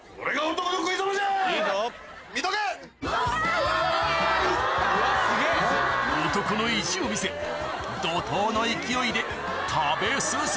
男の意地を見せ怒濤の勢いで食べ進める